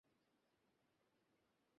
গৃহহীনদেরকে প্রতি আলাদা টান আমার।